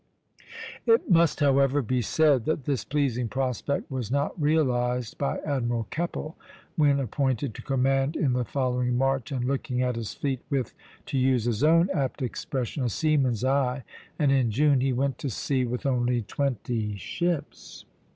" It must, however, be said that this pleasing prospect was not realized by Admiral Keppel when appointed to command in the following March, and looking at his fleet with (to use his own apt expression) "a seaman's eye;" and in June he went to sea with only twenty ships.